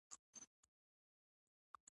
تر څو ژامې پرې ټینګې کړو او و یې خورو.